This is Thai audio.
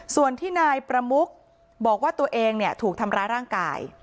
ส่วนที่นายประมุกบอกว่าตัวเองถูกทำร้ายร่างกาย